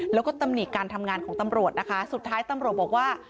แล้วก็ตำหนิการทำงานของตำรวจนะคะสุดท้ายตำรวจบอกว่า